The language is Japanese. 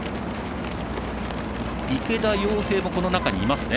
池田耀平もこの中にいますね。